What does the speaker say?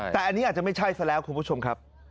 แต่อันนี้อาจจะไม่ใช่ซะแล้วคุณผู้ชมครับ